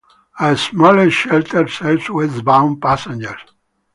A smaller shelter serves westbound passengers.